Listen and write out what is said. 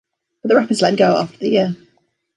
But the Rapids let him go after the year.